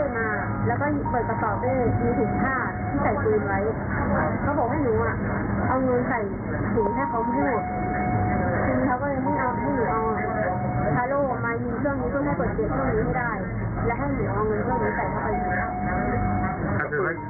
แบบนี้คือน่ะค่ะ